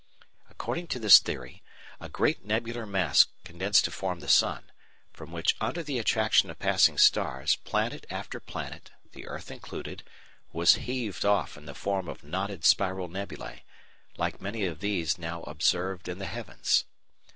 According to this theory a great nebular mass condensed to form the sun, from which under the attraction of passing stars planet after planet, the earth included, was heaved off in the form of knotted spiral nebulæ, like many of those now observed in the heavens.